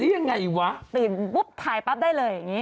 ยังไงวะตื่นปุ๊บถ่ายปั๊บได้เลยอย่างนี้